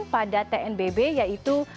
pada tnbb yaitu